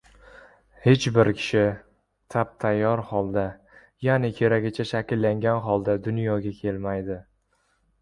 Hech bir kishi tap-tayyor holda, ya’ni keragicha shakllangan holda dunyoga kelmaydi